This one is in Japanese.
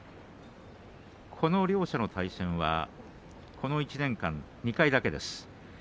この両者の対戦はこの１年間２回だけです。